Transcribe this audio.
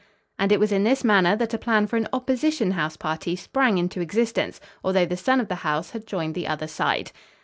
And it was in this manner that a plan for an opposition house party sprang into existence; although the son of the house had joined the other side.